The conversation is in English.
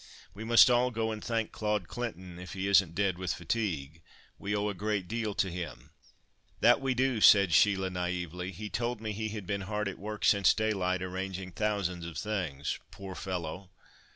We must all go and thank Claude Clinton if he isn't dead with fatigue. We owe a great deal to him." "That we do," said Sheila, naïvely, "he told me he had been hard at work since daylight, arranging thousands of things. Poor fellow!